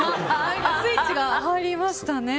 スイッチが入りましたね。